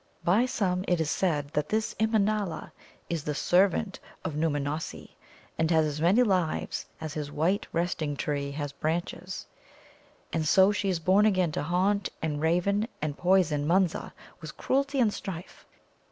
By some it is said that this Immanâla is the servant of Nōōmanossi, and has as many lives as his white resting tree has branches. And so she is born again to haunt and raven and poison Munza with cruelty and strife.